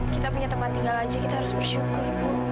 kita punya tempat tinggal aja kita harus bersyukur